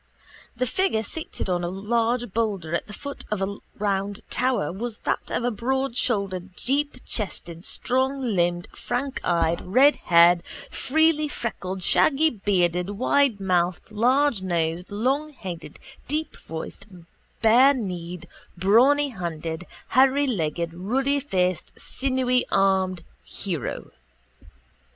The figure seated on a large boulder at the foot of a round tower was that of a broadshouldered deepchested stronglimbed frankeyed redhaired freelyfreckled shaggybearded widemouthed largenosed longheaded deepvoiced barekneed brawnyhanded hairylegged ruddyfaced sinewyarmed hero.